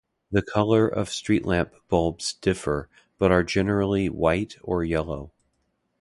The colour of streetlamp bulbs differ, but are generally white or yellow.